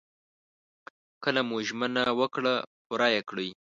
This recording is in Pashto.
کله مو ژمنه وکړه پوره يې کړئ.